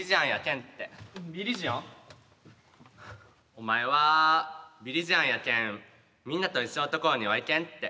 お前はビリジアンやけんみんなと一緒の所には行けんって。